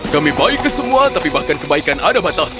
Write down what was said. kami baik ke semua tapi bahkan kebaikan ada batasnya